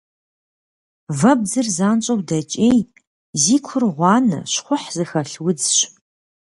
Вэбдзыр занщӏэу дэкӏей, зи кур гъуанэ, щхъухь зыхэлъ удзщ.